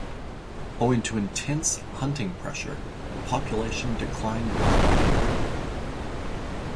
Owing to intense hunting pressure, the population declined rapidly.